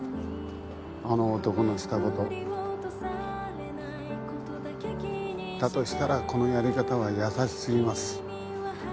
あの男のしたことだとしたらこのやり方は優しすぎます